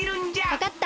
わかった！